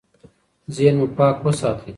ذهن مو پاک وساتئ.